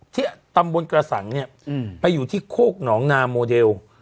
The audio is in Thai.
ที่ตำบลกระสังเนี่ยไปอยู่ที่โคกหนองนาโมเดล